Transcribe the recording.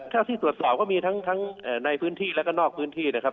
เท่าที่ตรวจสอบก็มีทั้งในพื้นที่แล้วก็นอกพื้นที่นะครับ